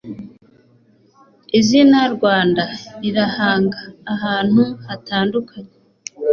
Izina “Rwanda” riranga ahantu hatandukanye